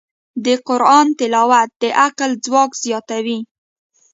د قرآن تلاوت د عقل ځواک زیاتوي.